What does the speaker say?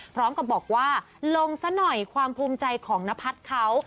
พร้อมกับบอกว่าลงซะหน่อยความภูมิใจของนพัฒน์เขา